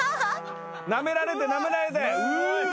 なめられてなめられて。